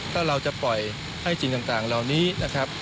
ถ้าเราจะปล่อยให้สิ่งต่างเหล่านี้นะครับ